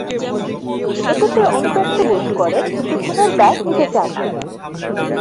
এতে সে অনুতপ্ত বোধ করে কিন্তু খুনের দায় নিতে চায় না।